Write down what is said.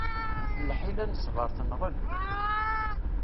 Lḥila n ṣṣber tenɣel.